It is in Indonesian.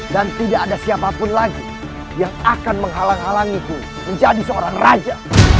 dan tidak ada siapapun lagi yang akan menghalang halangiku menjadi seorang raja